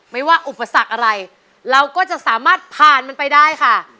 ไม่ว่าอุปสรรคอะไรเราก็จะสามารถผ่านมันไปได้ค่ะ